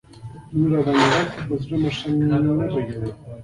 پتلون راباندي غټ وو، ښه زړه پورې نه راته.